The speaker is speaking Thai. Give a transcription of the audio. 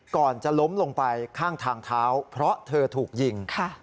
ก่อนจะล้มลงไปข้างทางเท้าเพราะเธอถูกยิง